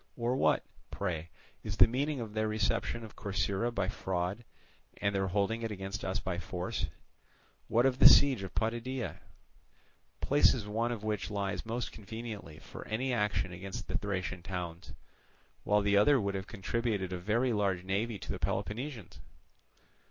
Or what, pray, is the meaning of their reception of Corcyra by fraud, and their holding it against us by force? what of the siege of Potidæa?—places one of which lies most conveniently for any action against the Thracian towns; while the other would have contributed a very large navy to the Peloponnesians?